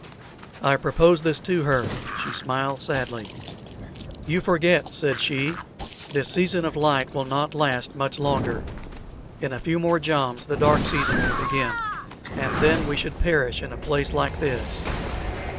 I proposed this to her; she smiled sadly. "You forget," said she, "this season of light will not last much longer. In a few more joms the dark season will begin, and then we should perish in a place like this."